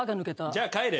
じゃあ帰れ。